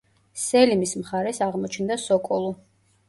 სელიმის მხარეს აღმოჩნდა სოკოლუ.